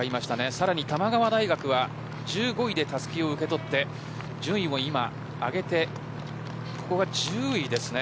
さらに玉川大学は１５位でたすきを受け取って順位を今上げてここは１０位ですね。